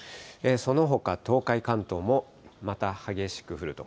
そのほか東海、関東も、また激しく降ると。